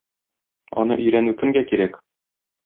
Аны өйрәнү кемгә кирәк?